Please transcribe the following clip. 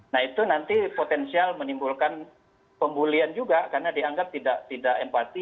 nah itu nanti potensial menimbulkan pembulian juga karena dianggap tidak empati